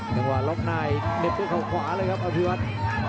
ตั้งหวัดลงไหนเหน็ดด้วยเขาขวาเลยครับอัภพยวัต